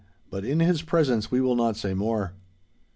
But in his presence we will not say more.